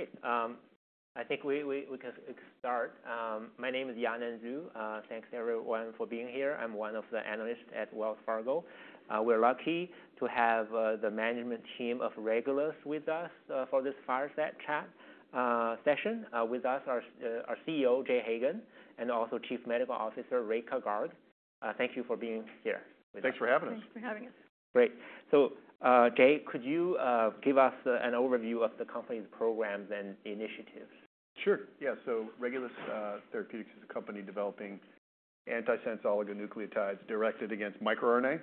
Great, I think we can start. My name is Yanan Zhu. Thanks, everyone, for being here. I'm one of the analysts at Wells Fargo. We're lucky to have the management team of Regulus with us for this fireside chat session. With us are our CEO, Jay Hagan, and also Chief Medical Officer, Rekha Garg. Thank you for being here.. Thanks for having us. Thanks for having us. Great. So, Jay, could you give us an overview of the company's programs and initiatives? Sure, yeah. So Regulus Therapeutics is a company developing antisense oligonucleotides directed against microRNA,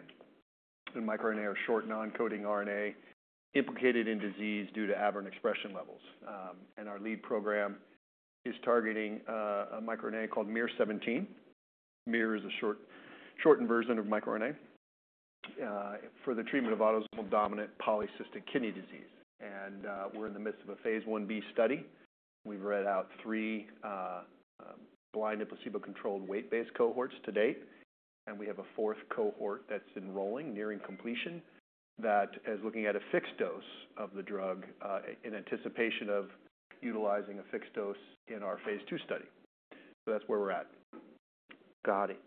and microRNA are short, non-coding RNA implicated in disease due to aberrant expression levels, and our lead program is targeting a microRNA called miR-17. miR is a short, shortened version of microRNA, for the treatment of autosomal dominant polycystic kidney disease, and we're in the midst of a phase 1b study. We've read out three blind and placebo-controlled weight-based cohorts to date, and we have a fourth cohort that's enrolling, nearing completion, that is looking at a fixed dose of the drug, in anticipation of utilizing a fixed dose in our phase 2 study, so that's where we're at. Got it.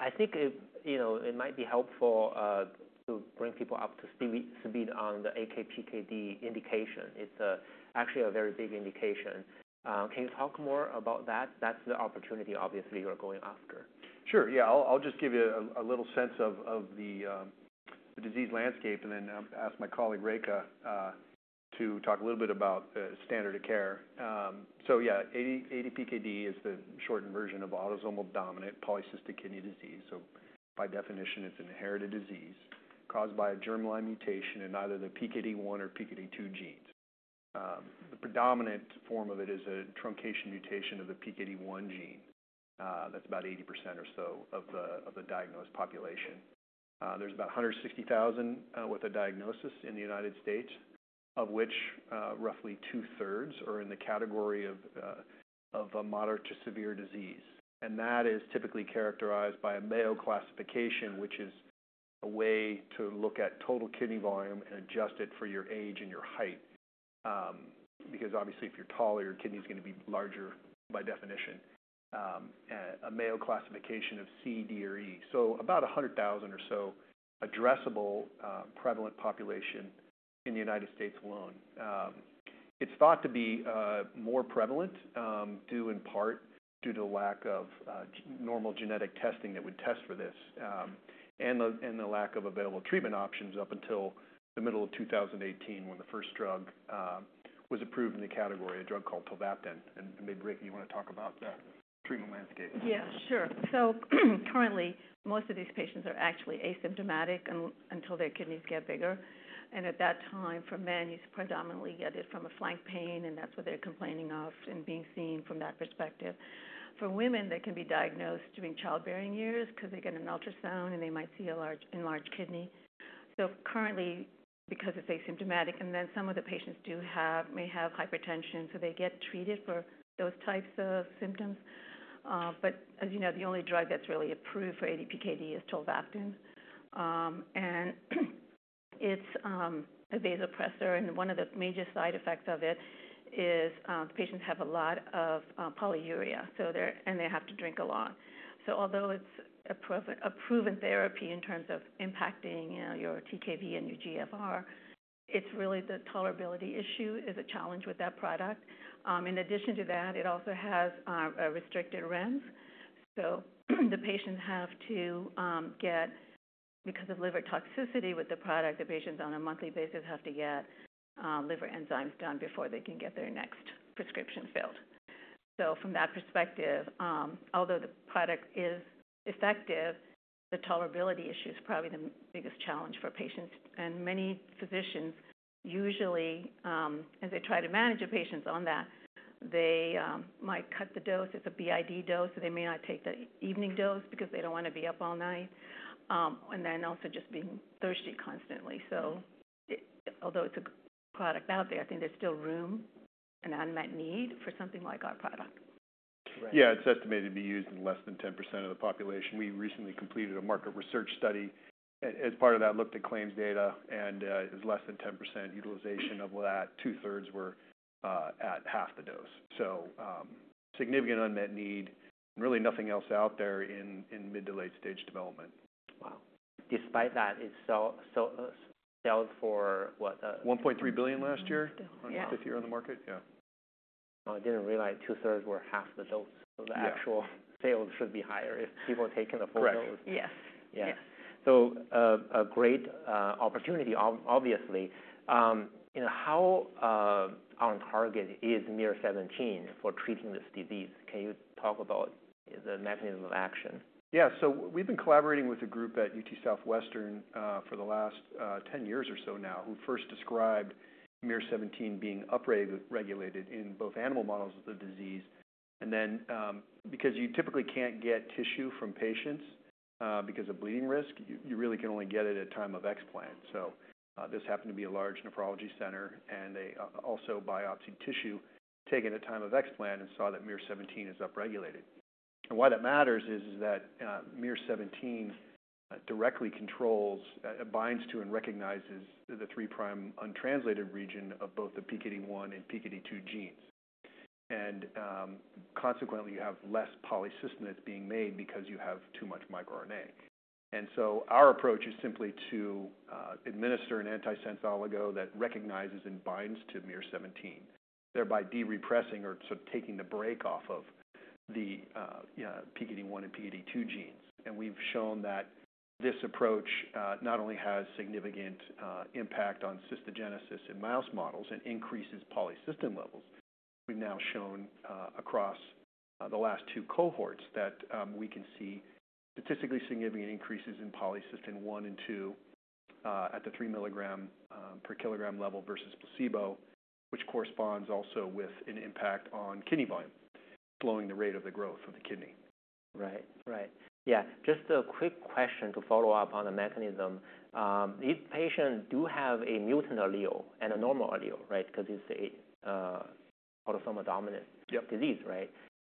I think it, you know, it might be helpful to bring people up to speed on the ADPKD indication. It's actually a very big indication. Can you talk more about that? That's the opportunity, obviously, you're going after. Sure. Yeah, I'll just give you a little sense of the disease landscape and then ask my colleague, Rekha, to talk a little bit about the standard of care. ADPKD is the shortened version of autosomal dominant polycystic kidney disease. So by definition, it's an inherited disease caused by a germline mutation in either the PKD1 or PKD2 genes. The predominant form of it is a truncation mutation of the PKD1 gene. That's about 80% or so of the diagnosed population. There's about 160,000 with a diagnosis in the United States, of which roughly two-thirds are in the category of a moderate to severe disease. That is typically characterized by a Mayo classification, which is a way to look at total kidney volume and adjust it for your age and your height. Because obviously, if you're taller, your kidney is going to be larger by definition, a Mayo classification of C, D, or E. So about 100,000 or so addressable, prevalent population in the United States alone. It's thought to be more prevalent, due in part due to lack of normal genetic testing that would test for this, and the lack of available treatment options up until the middle of two thousand and eighteen, when the first drug was approved in the category, a drug called tolvaptan. Maybe, Rekha, you want to talk about the treatment landscape? Yeah, sure. So currently, most of these patients are actually asymptomatic until their kidneys get bigger, and at that time, for men, you predominantly get it from a flank pain, and that's what they're complaining of and being seen from that perspective. For women, they can be diagnosed during childbearing years because they get an ultrasound and they might see a large, enlarged kidney, so currently, because it's asymptomatic and then some of the patients do have, may have hypertension, so they get treated for those types of symptoms, but as you know, the only drug that's really approved for ADPKD is tolvaptan. And it's a vasopressor, and one of the major side effects of it is patients have a lot of polyuria, so and they have to drink a lot. So although it's a proven therapy in terms of impacting, you know, your TKV and your GFR, it's really the tolerability issue is a challenge with that product. In addition to that, it also has a restricted REMS. So the patients have to get, because of liver toxicity with the product, the patients on a monthly basis have to get liver enzymes done before they can get their next prescription filled. So from that perspective, although the product is effective, the tolerability issue is probably the biggest challenge for patients. And many physicians usually, as they try to manage the patients on that, they might cut the dose. It's a BID dose, so they may not take the evening dose because they don't want to be up all night. And then also just being thirsty constantly. So it although it's a product out there, I think there's still room, an unmet need for something like our product. Yeah, it's estimated to be used in less than 10% of the population. We recently completed a market research study, as part of that, looked at claims data, and it was less than 10% utilization of that. Two-thirds were at half the dose. So, significant unmet need, really nothing else out there in mid to late-stage development. Wow! Despite that, it sells for what? $1.3 billion last year- Yeah. On its fifth year on the market. Yeah. I didn't realize two-thirds were half the dose. Yeah. So the actual sales should be higher if people are taking the full dose. Correct. Yes. Yeah. Yes. A great opportunity, obviously. You know, how on target is miR-17 for treating this disease? Can you talk about the mechanism of action? Yeah. So we've been collaborating with a group at UT Southwestern for the last 10 years or so now, who first described miR-17 being upregulated in both animal models of the disease. And then, because you typically can't get tissue from patients because of bleeding risk, you really can only get it at time of explant. So this happened to be a large nephrology center, and they also biopsied tissue taken at time of explant and saw that miR-17 is upregulated. And why that matters is that miR-17 directly controls, it binds to and recognizes the three prime untranslated region of both the PKD1 and PKD2 genes. And consequently, you have less polycystin that's being made because you have too much microRNA. And so our approach is simply to administer an antisense oligo that recognizes and binds to miR-17, thereby de-repressing or sort of taking the brake off of the, you know, PKD1 and PKD2 genes. And we've shown that this approach not only has significant impact on cystogenesis in mouse models and increases polycystin levels. We've now shown across the last two cohorts that we can see statistically significant increases in polycystin one and two at the three milligram per kilogram level versus placebo, which corresponds also with an impact on kidney volume, slowing the rate of the growth of the kidney. Right. Yeah, just a quick question to follow up on the mechanism. These patients do have a mutant allele and a normal allele, right? Because it's a, autosomal dominant- Yep disease, right?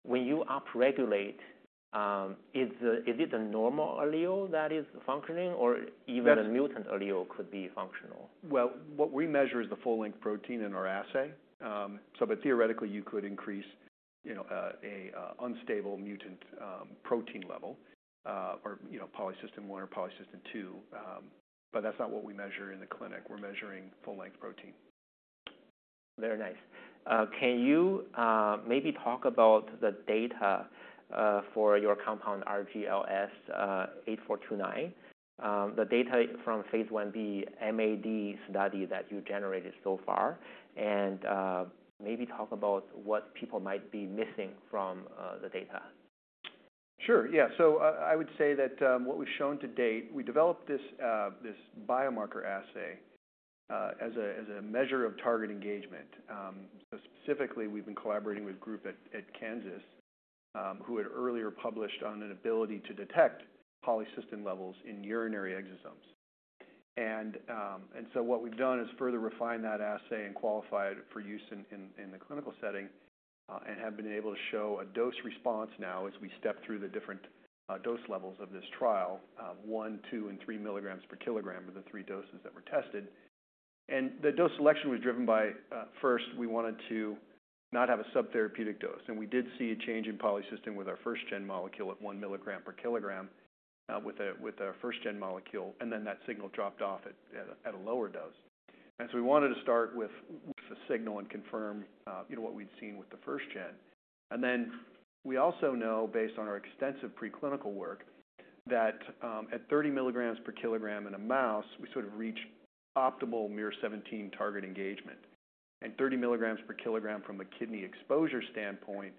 When you upregulate, is it a normal allele that is functioning, or- That's- Even a mutant allele could be functional? Well, what we measure is the full-length protein in our assay. So but theoretically, you could increase, you know, unstable mutant protein level, or, you know, polycystin one or polycystin two. But that's not what we measure in the clinic. We're measuring full-length protein. Very nice. Can you maybe talk about the data for your compound RGLS8429? The data from phase 1b MAD study that you generated so far, and maybe talk about what people might be missing from the data. Sure. Yeah. So, I would say that what we've shown to date, we developed this biomarker assay as a measure of target engagement. So specifically, we've been collaborating with a group at Kansas who had earlier published on an ability to detect polycystin levels in urinary exosomes. And so what we've done is further refine that assay and qualify it for use in the clinical setting, and have been able to show a dose response now as we step through the different dose levels of this trial, one, two, and three milligrams per kilogram are the three doses that were tested. And the dose selection was driven by first, we wanted to not have a subtherapeutic dose, and we did see a change in polycystin with our first-gen molecule at one milligram per kilogram with our first-gen molecule, and then that signal dropped off at a lower dose. And so we wanted to start with the signal and confirm you know what we'd seen with the first-gen. And then we also know, based on our extensive preclinical work, that at 30 milligrams per kilogram in a mouse, we sort of reach optimal miR-17 target engagement. And 30 milligrams per kilogram from a kidney exposure standpoint,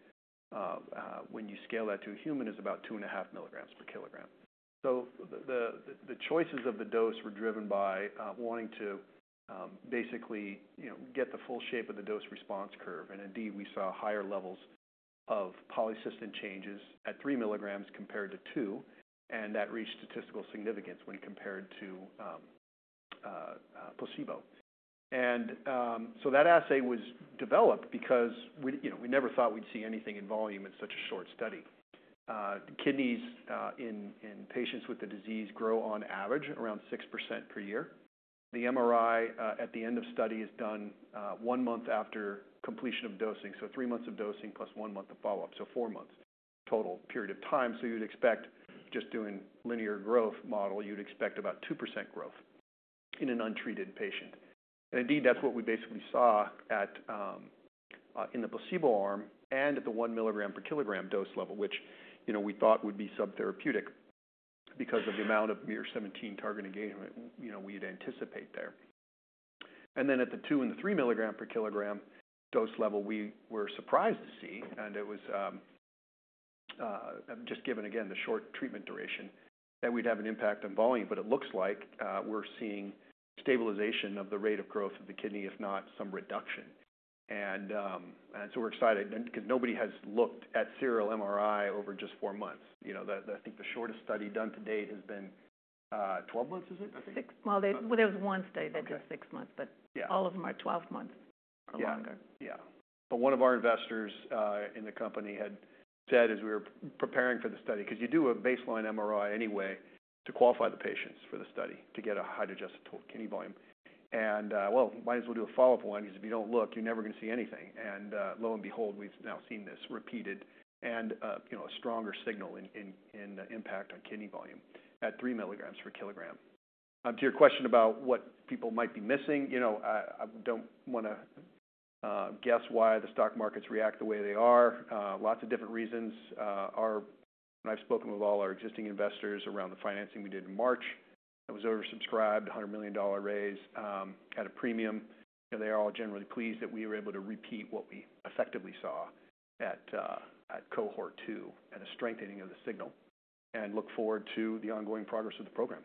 when you scale that to a human, is about two and a half milligrams per kilogram. So the choices of the dose were driven by wanting to basically, you know, get the full shape of the dose response curve. And indeed, we saw higher levels of polycystin changes at three milligrams compared to two, and that reached statistical significance when compared to placebo. And so that assay was developed because we, you know, we never thought we'd see anything in volume in such a short study. Kidneys in patients with the disease grow on average around 6% per year. The MRI at the end of study is done one month after completion of dosing, so three months of dosing plus one month of follow-up, so four months total period of time. So you'd expect just doing linear growth model, you'd expect about 2% growth in an untreated patient. Indeed, that's what we basically saw at in the placebo arm and at the one milligram per kilogram dose level, which, you know, we thought would be subtherapeutic because of the amount of miR-17 target engagement, you know, we'd anticipate there. Then at the two and the three milligram per kilogram dose level, we were surprised to see and it was just given again the short treatment duration, that we'd have an impact on volume. It looks like we're seeing stabilization of the rate of growth of the kidney, if not some reduction. So we're excited because nobody has looked at serial MRI over just four months. You know, I think the shortest study done to date has been twelve months, is it? I think- Six. Well, there was one study that did six months. Okay. But- Yeah all of them are 12 months or longer. Yeah. Yeah. But one of our investors in the company had said as we were preparing for the study, because you do a baseline MRI anyway to qualify the patients for the study, to get a height-adjusted kidney volume. And well, might as well do a follow-up one, because if you don't look, you're never going to see anything. And lo and behold, we've now seen this repeated and you know, a stronger signal in the impact on kidney volume at three milligrams per kilogram. To your question about what people might be missing, you know, I don't want to guess why the stock markets react the way they are. Lots of different reasons. When I've spoken with all our existing investors around the financing we did in March, it was oversubscribed, a $100 million raise, at a premium. They are all generally pleased that we were able to repeat what we effectively saw at cohort two and a strengthening of the signal, and look forward to the ongoing progress of the program.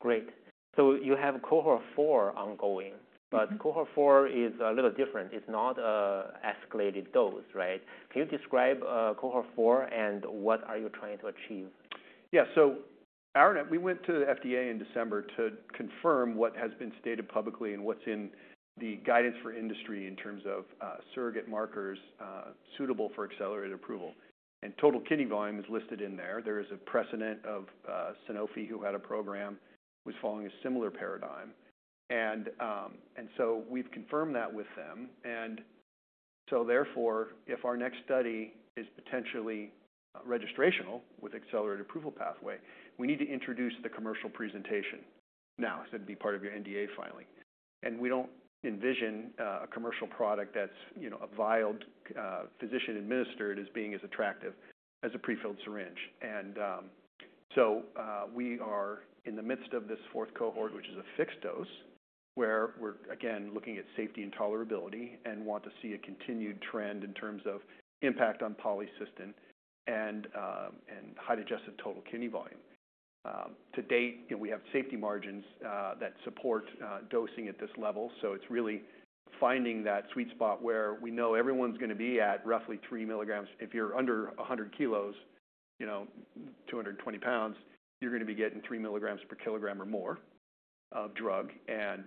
Great. So you have cohort four ongoing. Mm-hmm. But cohort four is a little different. It's not an escalated dose, right? Can you describe cohort four and what are you trying to achieve? Yeah. Yanan, we went to the FDA in December to confirm what has been stated publicly and what's in the guidance for industry in terms of surrogate markers suitable for accelerated approval. And total kidney volume is listed in there. There is a precedent of Sanofi, who had a program, was following a similar paradigm. And so we've confirmed that with them. And so therefore, if our next study is potentially registrational with accelerated approval pathway, we need to introduce the commercial presentation now, so it'd be part of your NDA filing. And we don't envision a commercial product that's, you know, a vialed physician-administered as being as attractive as a prefilled syringe. We are in the midst of this fourth cohort, which is a fixed dose, where we're again looking at safety and tolerability and want to see a continued trend in terms of impact on polycystin and how to adjust the total kidney volume. To date, we have safety margins that support dosing at this level. So it's really finding that sweet spot where we know everyone's gonna be at roughly 3 mg. If you're under 100 kg, you know, 220 lbs, you're gonna be getting 3 mg per kg or more of drug. And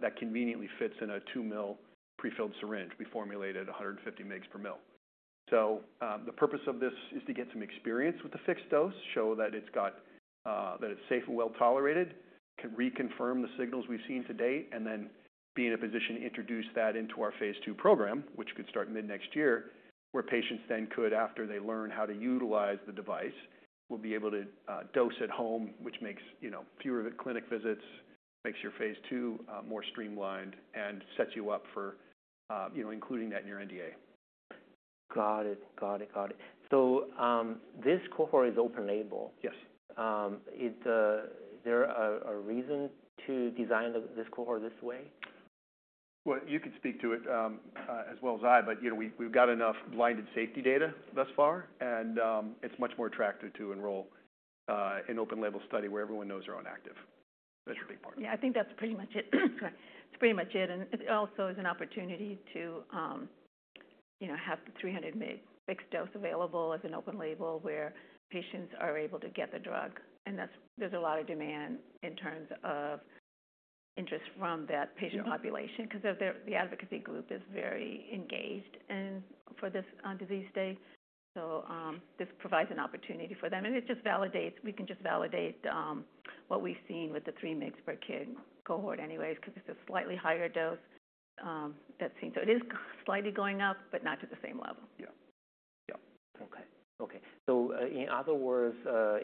that conveniently fits in a 2-mL prefilled syringe. We formulated 150 mg per mL. So the purpose of this is to get some experience with the fixed dose, show that it's got That it's safe and well-tolerated, can reconfirm the signals we've seen to date, and then be in a position to introduce that into our phase II program, which could start mid-next year, where patients then could, after they learn how to utilize the device, will be able to, dose at home, which makes, you know, fewer clinic visits, makes your phase II, more streamlined and sets you up for, you know, including that in your NDA. Got it. So, this cohort is open-label? Yes. Is there a reason to design this cohort this way? You could speak to it, as well as I, but you know, we've got enough blinded safety data thus far, and it's much more attractive to enroll an open-label study where everyone knows their own active. That's a big part. Yeah, I think that's pretty much it. It's pretty much it. And it also is an opportunity to, you know, have the 300 mg fixed dose available as an open label, where patients are able to get the drug. And that's-- there's a lot of demand in terms of interest from that patient population, 'cause the advocacy group is very engaged and for this disease state. So, this provides an opportunity for them, and it just validates-- we can just validate what we've seen with the three mgs per kg cohort anyways, because it's a slightly higher dose that seems... So it is slightly going up, but not to the same level. Yeah. Yeah. Okay. So, in other words,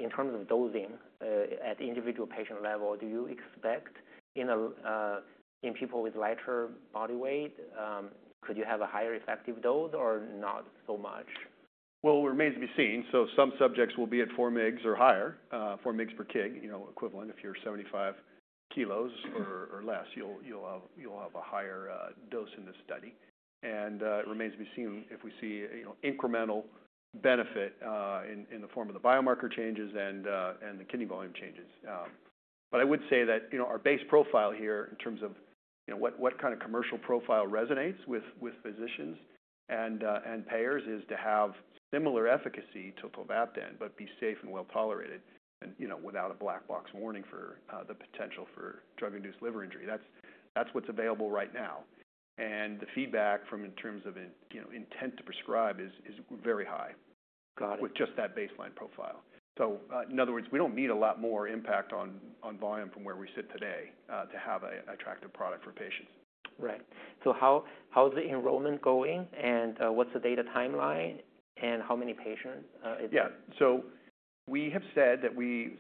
in terms of dosing, at the individual patient level, do you expect in people with lighter body weight, could you have a higher effective dose or not so much? It remains to be seen. Some subjects will be at 4 mg or higher, 4 mg per kg, you know, equivalent. If you're 75 kg or less, you'll have a higher dose in this study, and it remains to be seen if we see, you know, incremental benefit in the form of the biomarker changes and the kidney volume changes. But I would say that, you know, our base profile here in terms of, you know, what kind of commercial profile resonates with physicians and payers is to have similar efficacy to tolvaptan, but be safe and well-tolerated and, you know, without a black box warning for the potential for drug-induced liver injury. That's what's available right now. And the feedback from, in terms of, you know, intent to prescribe is very high- Got it with just that baseline profile. So, in other words, we don't need a lot more impact on volume from where we sit today to have an attractive product for patients. Right. So how is the enrollment going, and what's the data timeline, and how many patients is- Yeah. So we have said that.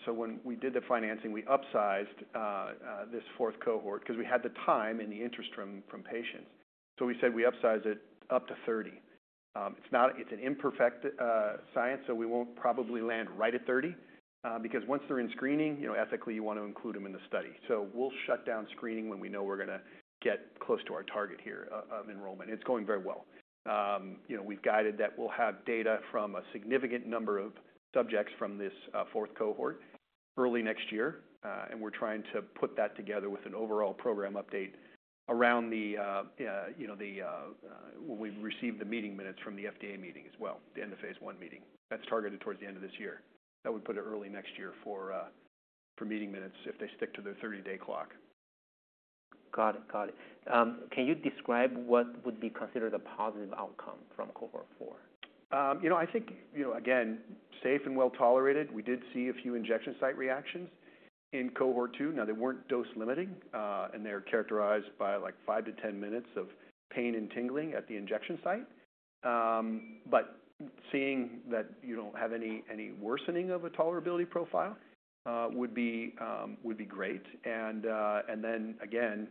So when we did the financing, we upsized this fourth cohort because we had the time and the interest from patients. So we said we upsized it up to 30. It's an imperfect science, so we won't probably land right at 30 because once they're in screening, you know, ethically, you want to include them in the study. So we'll shut down screening when we know we're gonna get close to our target here of enrollment. It's going very well. You know, we've guided that we'll have data from a significant number of subjects from this fourth cohort early next year, and we're trying to put that together with an overall program update around the you know when we've received the meeting minutes from the FDA meeting as well, the end of phase I meeting. That's targeted towards the end of this year. That would put it early next year for meeting minutes if they stick to their thirty-day clock. Got it. Got it. Can you describe what would be considered a positive outcome from Cohort IV? You know, I think, you know, again, safe and well-tolerated. We did see a few injection site reactions in Cohort II. Now, they weren't dose limiting, and they're characterized by, like, five to ten minutes of pain and tingling at the injection site. But seeing that you don't have any worsening of a tolerability profile would be great. And then again,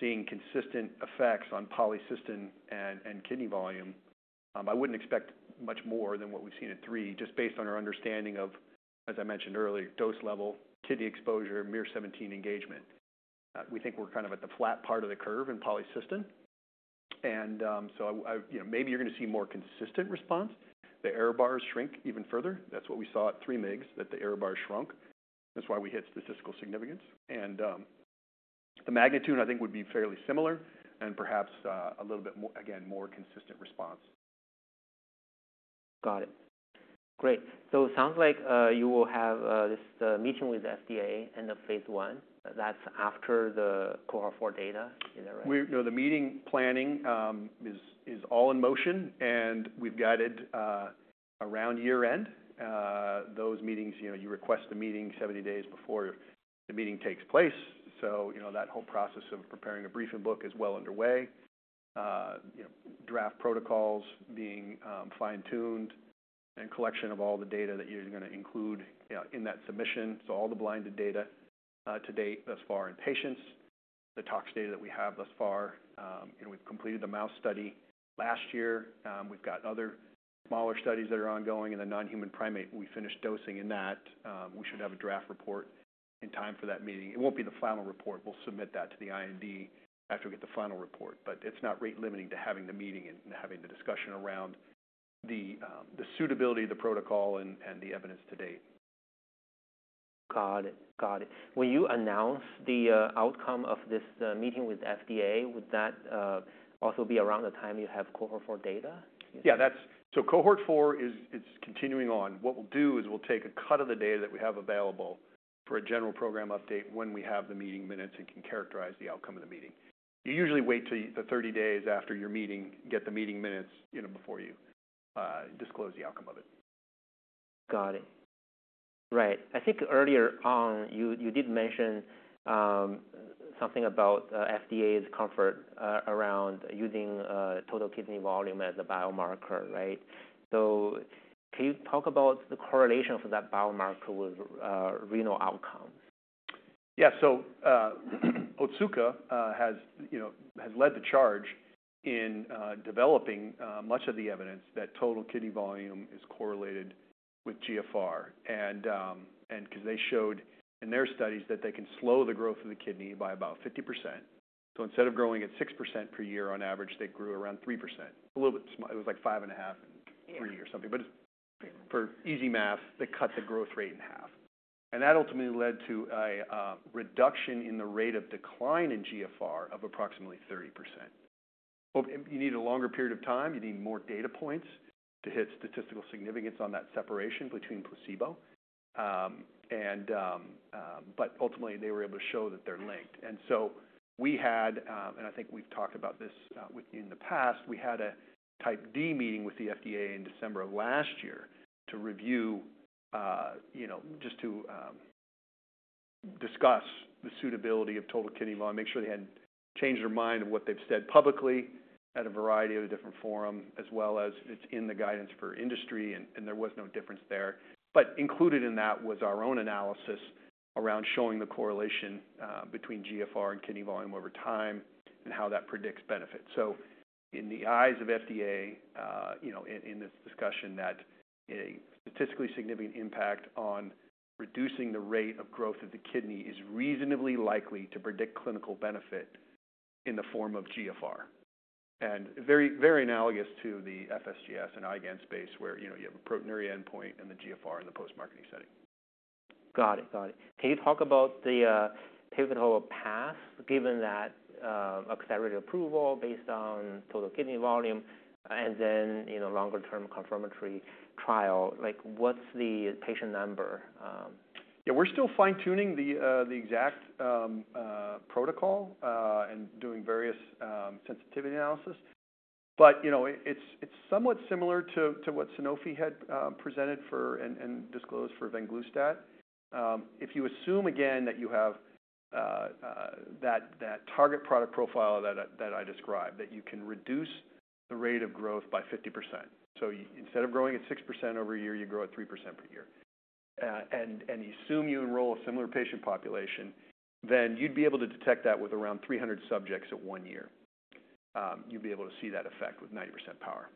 seeing consistent effects on polycystin and kidney volume, I wouldn't expect much more than what we've seen at three, just based on our understanding of, as I mentioned earlier, dose level, kidney exposure, miR-17 engagement. We think we're kind of at the flat part of the curve in polycystin, and so I. You know, maybe you're going to see more consistent response. The error bars shrink even further. That's what we saw at three mgs, that the error bars shrunk. That's why we hit statistical significance. And the magnitude, I think, would be fairly similar and perhaps a little bit more, again, more consistent response. Got it. Great. So it sounds like you will have this meeting with the FDA end of phase one, that's after the Cohort Four data. Is that right? We, you know, the meeting planning is all in motion, and we've guided around year-end. Those meetings, you know, you request a meeting 70 days before the meeting takes place. So, you know, that whole process of preparing a briefing book is well underway. You know, draft protocols being fine-tuned and collection of all the data that you're gonna include in that submission. So all the blinded data to date thus far in patients, the tox data that we have thus far, and we've completed the mouse study last year. We've got other smaller studies that are ongoing in the non-human primate. We finished dosing in that. We should have a draft report in time for that meeting. It won't be the final report. We'll submit that to the IND after we get the final report, but it's not rate limiting to having the meeting and having the discussion around the suitability of the protocol and the evidence to date. Got it. Got it. Will you announce the outcome of this, the meeting with FDA? Would that also be around the time you have Cohort Four data? Yeah, that's... So Cohort Four is continuing on. What we'll do is we'll take a cut of the data that we have available for a general program update when we have the meeting minutes and can characterize the outcome of the meeting. You usually wait till the thirty days after your meeting, get the meeting minutes, you know, before you disclose the outcome of it. Got it. Right. I think earlier on you did mention something about FDA's comfort around using total kidney volume as a biomarker, right? So can you talk about the correlation for that biomarker with renal outcome? Yeah. So, Otsuka has, you know, has led the charge in developing much of the evidence that total kidney volume is correlated with GFR and, and 'cause they showed in their studies that they can slow the growth of the kidney by about 50%. So instead of growing at 6% per year, on average, they grew around 3%. A little bit small. It was, like, five and a half- Yeah three or something, but for easy math, they cut the growth rate in half, and that ultimately led to a reduction in the rate of decline in GFR of approximately 30%. But you need a longer period of time. You need more data points to hit statistical significance on that separation between placebo. But ultimately, they were able to show that they're linked. And so we had, and I think we've talked about this, with you in the past, we had a Type D meeting with the FDA in December of last year to review, you know, just to, discuss the suitability of total kidney volume, make sure they hadn't changed their mind of what they've said publicly at a variety of different forums, as well as it's in the Guidance for Industry and, there was no difference there. But included in that was our own analysis around showing the correlation between GFR and kidney volume over time and how that predicts benefit. So in the eyes of FDA, you know, in this discussion, that a statistically significant impact on reducing the rate of growth of the kidney is reasonably likely to predict clinical benefit in the form of GFR. And very, very analogous to the FSGS and IgAN space, where, you know, you have a proteinuria endpoint and the GFR in the postmarketing setting. Got it. Got it. Can you talk about the pivotal path, given that accelerated approval based on total kidney volume and then, you know, longer-term confirmatory trial? Like, what's the patient number? Yeah, we're still fine-tuning the exact protocol and doing various sensitivity analysis. But, you know, it's somewhat similar to what Sanofi had presented for and disclosed for venglustat. If you assume again that you have that target product profile that I described, that you can reduce the rate of growth by 50%. So instead of growing at 6% over a year, you grow at 3% per year. And assume you enroll a similar patient population, then you'd be able to detect that with around 300 subjects at one year. You'd be able to see that effect with 90% power.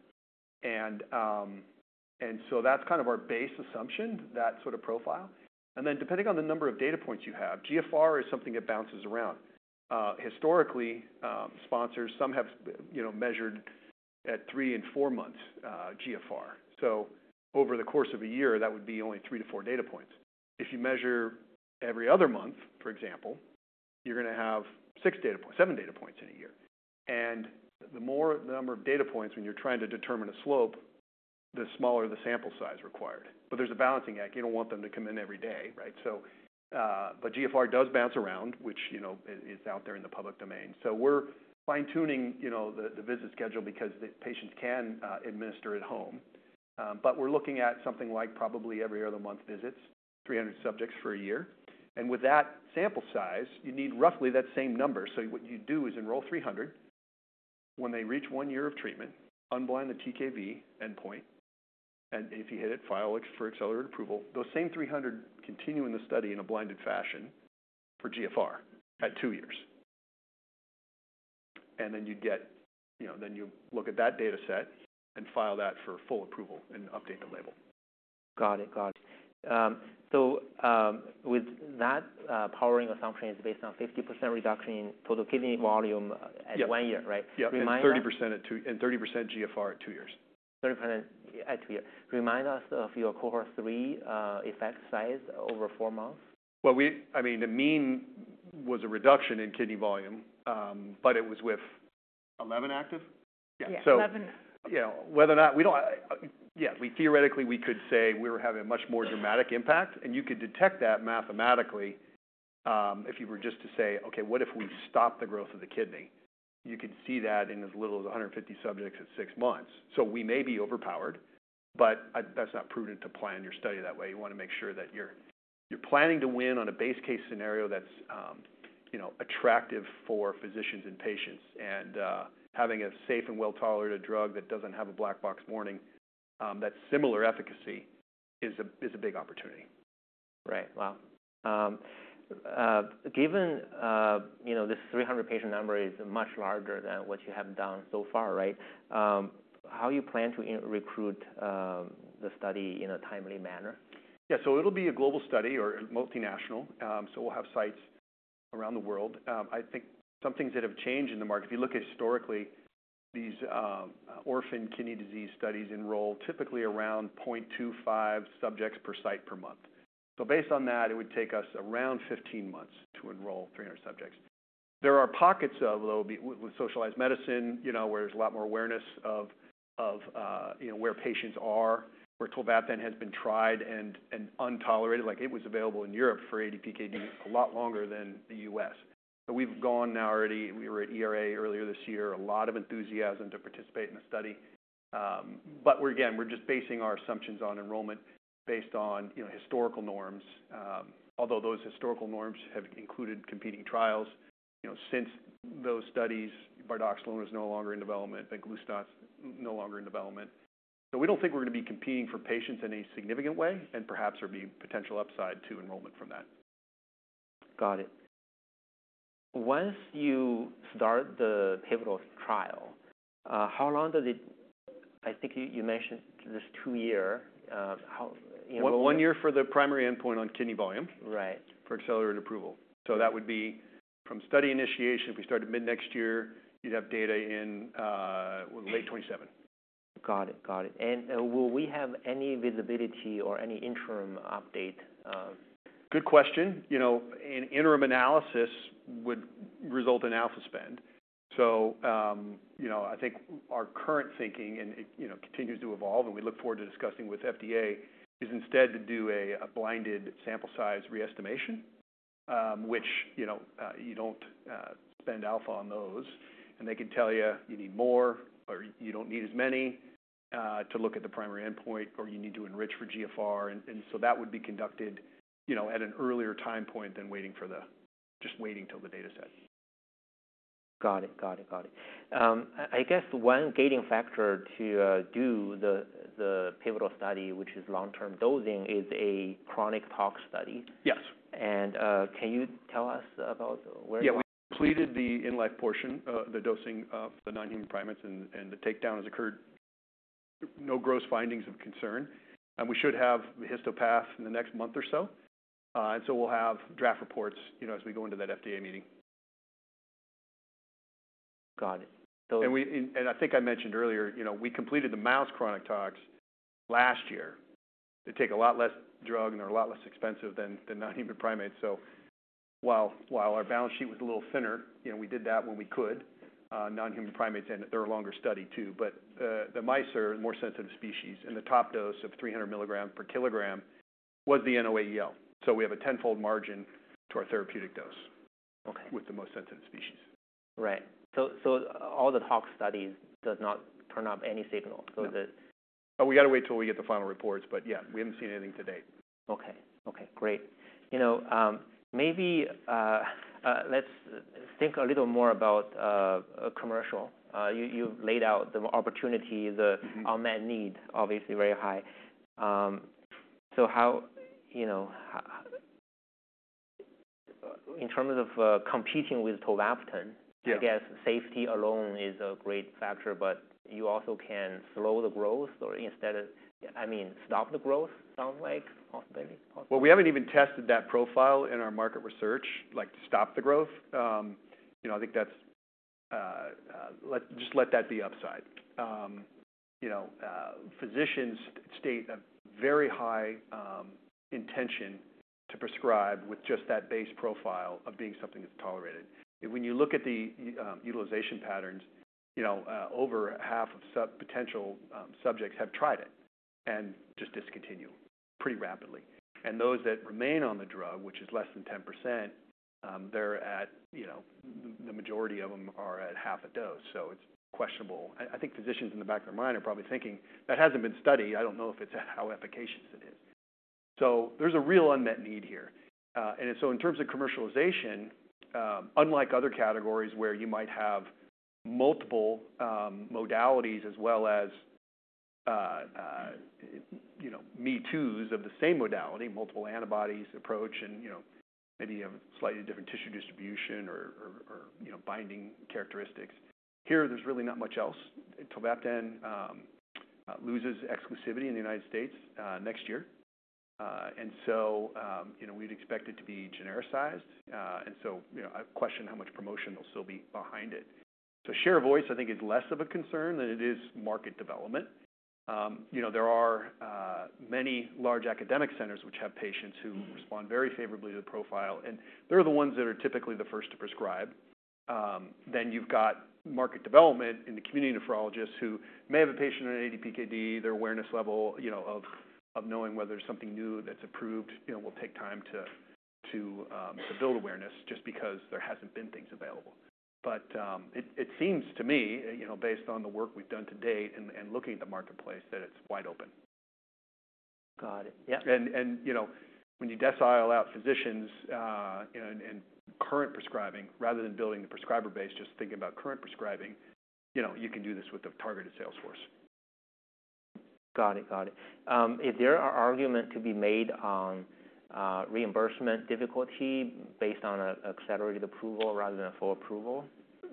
And so that's kind of our base assumption, that sort of profile. And then, depending on the number of data points you have, GFR is something that bounces around. Historically, sponsors, some have, you know, measured at three and four months, GFR. So over the course of a year, that would be only three to four data points. If you measure every other month, for example, you're gonna have six data points, seven data points in a year. And the more the number of data points when you're trying to determine a slope, the smaller the sample size required. But there's a balancing act. You don't want them to come in every day, right? So, but GFR does bounce around, which, you know, is out there in the public domain. So we're fine-tuning, you know, the visit schedule because the patients can administer at home. We're looking at something like probably every other month visits, 300 subjects for a year. With that sample size, you need roughly that same number. What you do is enroll 300. When they reach one year of treatment, unblind the TKV endpoint, and if you hit it, file for accelerated approval. Those same 300 continue in the study in a blinded fashion for GFR at two years. Then you get, you know, then you look at that data set and file that for full approval and update the label. Got it. Got it. So, with that, powering assumption is based on 50% reduction in total kidney volume- Yeah at one year, right? Yeah. Remind me. 30% at two, and 30% GFR at two years. 30% at year. Remind us of your Cohort III effect size over four months? We, I mean, the mean was a reduction in kidney volume, but it was with 11 active? Yeah, eleven. You know, we theoretically could say we were having a much more dramatic impact, and you could detect that mathematically if you were just to say, "Okay, what if we stop the growth of the kidney?" You could see that in as little as 150 subjects at six months. We may be overpowered, but that's not prudent to plan your study that way. You wanna make sure that you're planning to win on a base case scenario that's, you know, attractive for physicians and patients. Having a safe and well-tolerated drug that doesn't have a black box warning, that similar efficacy is a big opportunity. Right. Well, given, you know, this 300 patient number is much larger than what you have done so far, right? How you plan to recruit the study in a timely manner? Yeah, so it'll be a global study or multinational. So we'll have sites around the world. I think some things that have changed in the market, if you look historically, these orphan kidney disease studies enroll typically around 0.25 subjects per site per month. So based on that, it would take us around 15 months to enroll 300 subjects. There are pockets, though, with socialized medicine, you know, where there's a lot more awareness of where patients are, where tolvaptan has been tried and not tolerated, like it was available in Europe for ADPKD a lot longer than the U.S. So we've gone now already. We were at ERA earlier this year. A lot of enthusiasm to participate in the study. But we're just basing our assumptions on enrollment based on, you know, historical norms. Although those historical norms have included competing trials, you know, since those studies, bardoxolone is no longer in development, I think venglustat's no longer in development. So we don't think we're gonna be competing for patients in a significant way, and perhaps there'll be potential upside to enrollment from that. Got it. Once you start the pivotal trial, how long does it. I think you mentioned this two-year, how, you know- One year for the primary endpoint on kidney volume- Right for accelerated approval. So that would be from study initiation. If we started mid-next year, you'd have data in, late 2027. Got it. Got it. And, will we have any visibility or any interim update? Good question. You know, an interim analysis would result in alpha spend. So, you know, I think our current thinking, and it, you know, continues to evolve and we look forward to discussing with FDA, is instead to do a blinded sample size re-estimation, which, you know, you don't spend alpha on those, and they can tell you, you need more or you don't need as many to look at the primary endpoint, or you need to enrich for GFR. And so that would be conducted, you know, at an earlier time point than just waiting till the dataset. Got it. I guess one gating factor to do the pivotal study, which is long-term dosing, is a chronic tox study. Yes. Can you tell us about where you are? Yeah. We completed the in-life portion of the dosing of the non-human primates, and the takedown has occurred. No gross findings of concern, and we should have the histopath in the next month or so. And so we'll have draft reports, you know, as we go into that FDA meeting. Got it. And we, I think I mentioned earlier, you know, we completed the mouse chronic tox last year. They take a lot less drug, and they're a lot less expensive than non-human primates. So while our balance sheet was a little thinner, you know, we did that when we could. Non-human primates, and they're a longer study, too. But the mice are more sensitive species, and the top dose of three hundred milligram per kilogram was the NOAEL. So we have a tenfold margin to our therapeutic dose- Okay with the most sensitive species. Right. So, all the tox studies does not turn up any signal so that- No. We got to wait till we get the final reports, but yeah, we haven't seen anything to date. Okay. Okay, great. You know, maybe, let's think a little more about commercial. You, you've laid out the opportunity, the Unmet need, obviously very high. So how... You know, in terms of competing with tolvaptan- Yeah I guess safety alone is a great factor, but you also can slow the growth or instead of, I mean, stop the growth, sounds like, maybe? We haven't even tested that profile in our market research. Like, to stop the growth, you know, I think that's, let's just let that be upside. You know, physicians state a very high intention to prescribe with just that base profile of being something that's tolerated. When you look at the utilization patterns, you know, over half of potential subjects have tried it and just discontinue pretty rapidly. Those that remain on the drug, which is less than 10%, they're at, you know, the majority of them are at half a dose, so it's questionable. I think physicians in the back of their mind are probably thinking, "That hasn't been studied. I don't know if it's how efficacious it is." So there's a real unmet need here. And so in terms of commercialization, unlike other categories, where you might have multiple modalities as well as you know me-toos of the same modality, multiple antibodies approach, and you know maybe a slightly different tissue distribution or you know binding characteristics. Here, there's really not much else. tolvaptan loses exclusivity in the United States next year, and so you know we'd expect it to be genericized. And so you know I question how much promotion will still be behind it. So share voice, I think, is less of a concern than it is market development. You know there are many large academic centers which have patients who respond very favorably to the profile, and they're the ones that are typically the first to prescribe. Then you've got market development in the community nephrologists who may have a patient on ADPKD. Their awareness level, you know, of knowing whether there's something new that's approved, you know, will take time to build awareness just because there hasn't been things available. But it seems to me, you know, based on the work we've done to date and looking at the marketplace, that it's wide open. Got it. Yep. You know, when you decile out physicians, you know, and current prescribing, rather than building the prescriber base, just thinking about current prescribing, you know, you can do this with a targeted sales force. Got it. Got it. Is there an argument to be made on reimbursement difficulty based on an accelerated approval rather than a full approval?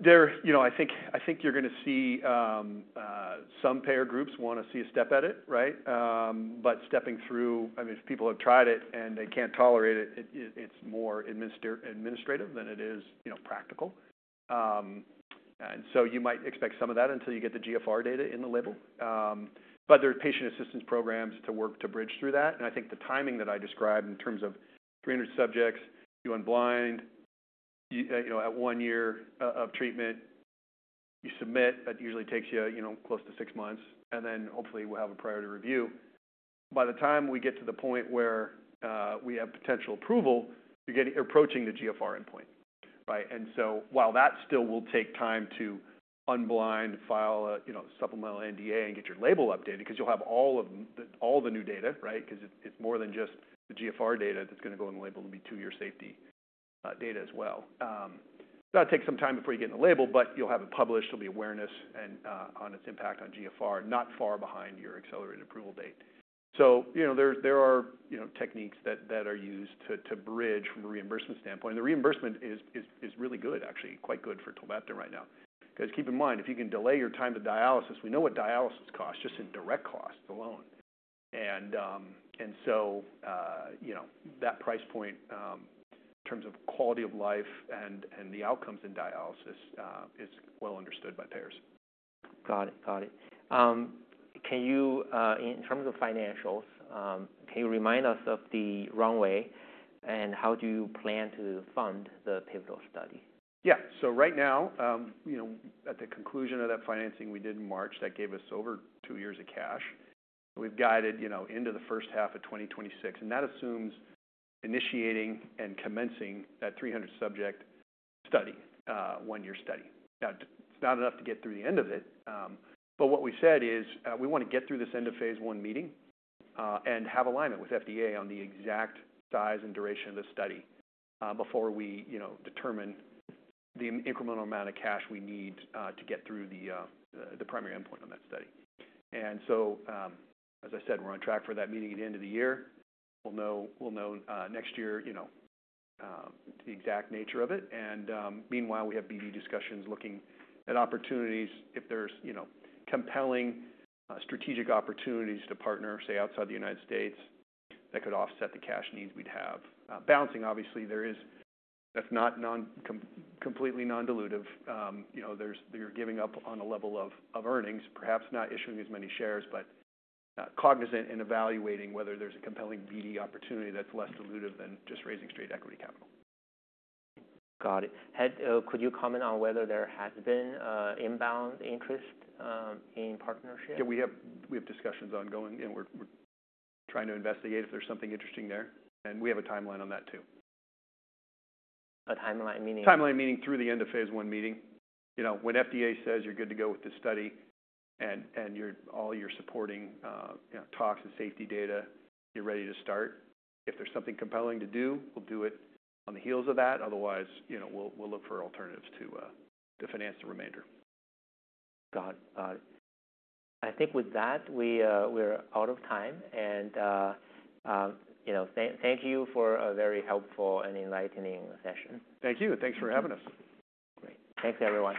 You know, I think you're gonna see some payer groups wanna see a step at it, right? But stepping through, I mean, if people have tried it and they can't tolerate it, it's more administrative than it is, you know, practical. And so you might expect some of that until you get the GFR data in the label. But there are patient assistance programs to work to bridge through that, and I think the timing that I described in terms of 300 subjects, you unblind, you know, at one year of treatment, you submit, that usually takes you, you know, close to six months, and then hopefully we'll have a priority review. By the time we get to the point where we have potential approval, you're getting approaching the GFR endpoint, right? And so while that still will take time to unblind, file a, you know, supplemental NDA and get your label updated, because you'll have all of the new data, right? Because it's more than just the GFR data that's gonna go on the label. It'll be two-year safety data as well. That takes some time before you get in the label, but you'll have it published. There'll be awareness and on its impact on GFR, not far behind your accelerated approval date. So, you know, there are techniques that are used to bridge from a reimbursement standpoint. And the reimbursement is really good, actually, quite good for tolvaptan right now. Because keep in mind, if you can delay your time to dialysis, we know what dialysis costs, just in direct costs alone. So, you know, that price point in terms of quality of life and the outcomes in dialysis is well understood by payers. Got it. Got it. Can you, in terms of financials, can you remind us of the runway and how do you plan to fund the pivotal study? Yeah. So right now, you know, at the conclusion of that financing we did in March, that gave us over two years of cash. We've guided, you know, into the first half of 2026, and that assumes initiating and commencing that 300-subject study, one-year study. Now, it's not enough to get through the end of it, but what we said is, we wanna get through this end-of-phase 1 meeting, and have alignment with FDA on the exact size and duration of the study, before we, you know, determine the incremental amount of cash we need, to get through the primary endpoint on that study. And so, as I said, we're on track for that meeting at the end of the year. We'll know next year, you know, the exact nature of it. Meanwhile, we have BD discussions looking at opportunities. If there's, you know, compelling strategic opportunities to partner, say, outside the United States, that could offset the cash needs we'd have. Balancing, obviously, there is... That's not completely non-dilutive. You know, there's, you're giving up on a level of earnings, perhaps not issuing as many shares, but cognizant in evaluating whether there's a compelling BD opportunity that's less dilutive than just raising straight equity capital. Got it. Could you comment on whether there has been inbound interest in partnership? Yeah, we have discussions ongoing, and we're trying to investigate if there's something interesting there, and we have a timeline on that too. A timeline, meaning? Timeline, meaning through the end of phase one meeting. You know, when FDA says you're good to go with this study and, and your, all your supporting, you know, talks and safety data, you're ready to start. If there's something compelling to do, we'll do it on the heels of that. Otherwise, you know, we'll look for alternatives to finance the remainder. Got it, got it. I think with that, we, we're out of time and, you know, thank you for a very helpful and enlightening session. Thank you. Thanks for having us. Great. Thanks, everyone.